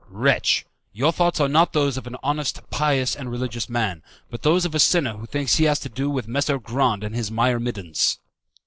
Wretch, your thoughts are not those of an honest, pious, and religious man, but those of a sinner who thinks he has to do with Messer Grande and his myrmidons."